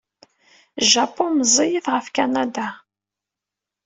Japun meẓẓiyet ɣef Kanada.